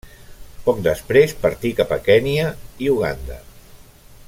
Poc després, partí cap a Kenya i Uganda.